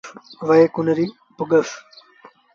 وهي ڪنريٚ پُڳس۔